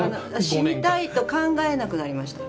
死にたいと考えなくなりました。